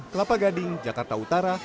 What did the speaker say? kelapa gading jakarta utara